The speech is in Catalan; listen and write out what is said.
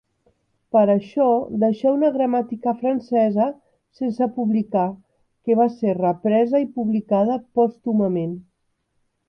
Per això deixà una gramàtica francesa sense publicar, que va ser represa i publicada pòstumament.